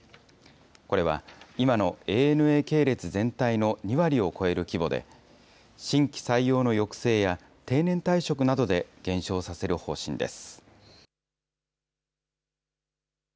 これは、今のＡＮＡ系列全体の２割を超える規模で、新規採用の抑制や、定年退職などで減少させる方針です。